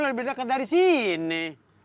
lebih dekat dari sini